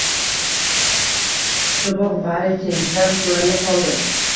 Chiqiboq, bari tengdan so‘rrayib qoldi